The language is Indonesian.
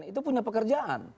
itu punya pekerjaan